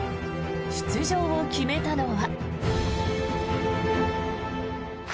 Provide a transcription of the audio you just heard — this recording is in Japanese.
出場を決めたのは。